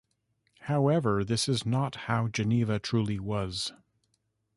However, this is not how Geneva truly was.